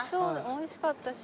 おいしかったし。